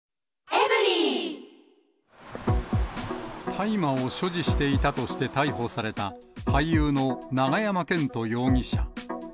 大麻を所持していたとして逮捕された俳優の永山絢斗容疑者。